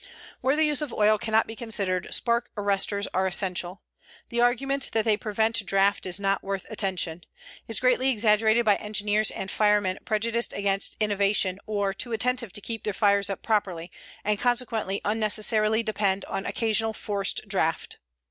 Where the use of oil cannot be considered, spark arresters are essential. The argument that they prevent draft is not worth attention. It is greatly exaggerated by engineers and firemen prejudiced against innovation or too inattentive to keep their fires up properly and consequently unnecessarily dependent on occasional forced draft.